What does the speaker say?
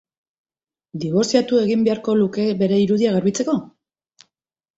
Dibortziatu egin beharko luke bere irudia garbitzeko?